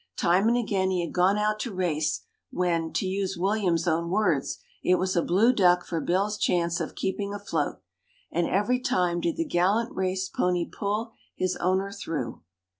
Time and again he had gone out to race when, to use William's own words, it was a blue duck for Bill's chance of keeping afloat; and every time did the gallant race pony pull his owner through.